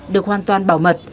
được hoàn toàn bảo mật